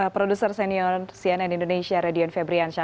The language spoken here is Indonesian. produser senior cnn indonesia radian febriansyah